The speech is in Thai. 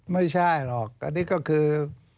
ไม่ใช่หรอกอันนี้ก็คือ